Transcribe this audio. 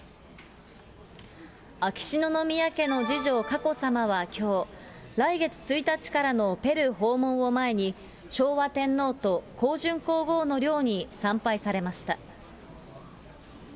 秋篠宮家の次女、佳子さまはきょう、来月１日からのペルー訪問を前に、昭和天皇と香淳皇后のりょうに参拝されました。